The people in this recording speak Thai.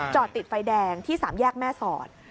จอดติดไฟแดงที่๓แยกแม่สอด